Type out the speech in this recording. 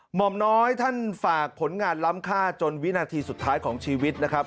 หมอมน้อยท่านฝากผลงานล้ำค่าจนวินาทีสุดท้ายของชีวิตนะครับ